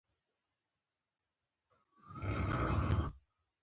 د انلاین کورسونو له لارې ځان غښتلی کړه.